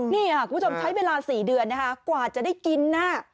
นี่คุณผู้ชมใช้เวลา๔เดือนกว่าจะได้กินนะ